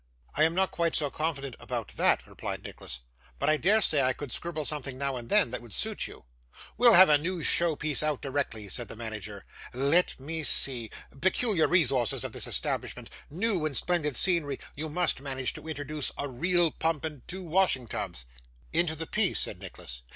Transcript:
'I am not quite so confident about that,' replied Nicholas. 'But I dare say I could scribble something now and then, that would suit you.' 'We'll have a new show piece out directly,' said the manager. 'Let me see peculiar resources of this establishment new and splendid scenery you must manage to introduce a real pump and two washing tubs.' 'Into the piece?' said Nicholas.